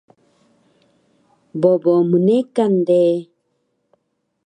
Bobo mnekan de